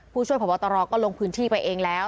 ผู้ช่วยพบตรก็ลงพื้นที่ไปเองแล้ว